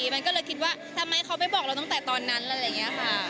มันก็เลยคิดว่าทำไมเขาไปบอกเราตั้งแต่ตอนนั้นอะไรอย่างนี้ค่ะ